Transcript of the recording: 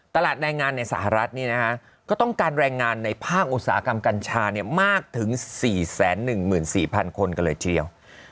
แรงงานในสหรัฐก็ต้องการแรงงานในภาคอุตสาหกรรมกัญชามากถึง๔๑๔๐๐คนกันเลยทีเดียว